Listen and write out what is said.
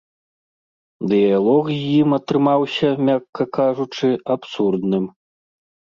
Дыялог з ім атрымаўся, мякка кажучы, абсурдным.